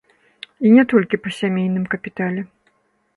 І не толькі па сямейным капітале.